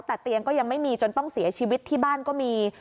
แต่เตียงก็ยังไม่มีจนต้องเสียชีวิตที่บ้านก็มี